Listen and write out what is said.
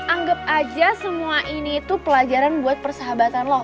anggep aja semua ini pelajaran buat persahabatan lo